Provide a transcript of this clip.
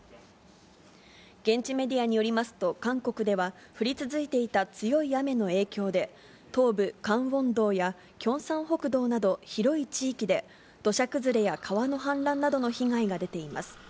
現地メディアによりますと、韓国では降り続いていた強い雨の影響で、東部カンウォン道やキョンサン北道など広い地域で、土砂崩れや川の氾濫などの被害が出ています。